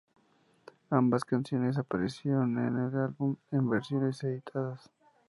Ambas canciones aparecieron en el álbum en versiones editadas.